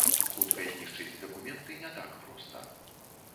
Хутка знішчыць дакументы не так проста.